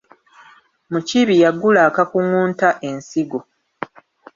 Mukiibi yagula akakungunta ensigo.